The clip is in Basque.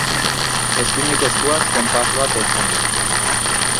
Eskuineko eskuaz konpas bat heltzen du.